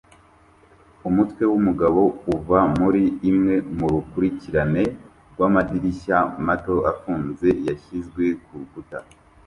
Umutwe wumugabo uva muri imwe murukurikirane rwamadirishya mato afunze yashyizwe kurukuta